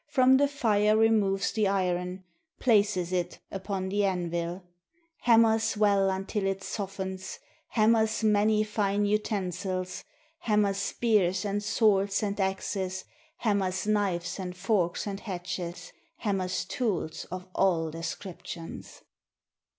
From the fire removes the iron, Places it upon the anvil, Hammers well until it softens, Hammers many fine utensils, Hammers spears, and swords, and axes, Hammers knives, and forks, and hatchets, Hammers tools of all descriptions.